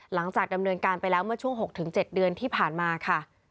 หลังจากดำเนินการไปแล้วเมื่อช่วง๖๗เดือนที่ผ่านมาค่ะ